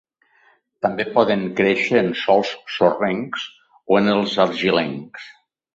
També poden créixer en sòls sorrencs o en els argilencs.